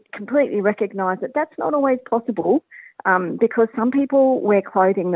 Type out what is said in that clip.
karena beberapa orang memakai pakaian yang mempunyai pakaian yang sepenuhnya